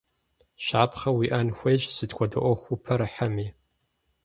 Щапхъэ уиIэн хуейщ сыт хуэдэ Iуэху упэрыхьэми.